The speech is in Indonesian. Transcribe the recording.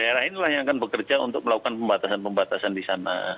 dan inilah yang akan bekerja untuk melakukan pembatasan pembatasan di sana